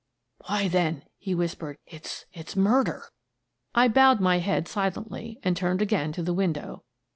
"Why, then," he whispered, "it's — it's mur der!" I bowed my head silently and turned again to the window.